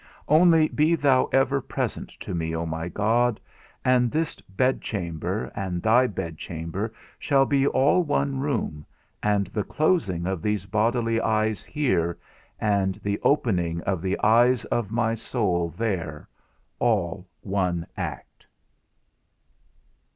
Only be thou ever present to me, O my God, and this bedchamber and thy bedchamber shall be all one room, and the closing of these bodily eyes here, and the opening of the eyes of my soul there, all one act.